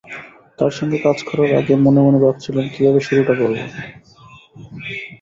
তাঁর সঙ্গে কাজ করার আগে মনে মনে ভাবছিলাম, কীভাবে শুরুটা করব।